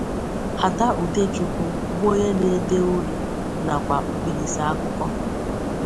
Ada Udechukwu, bụ onye n'ede Uri nakwa mkpirisi Akụkọ.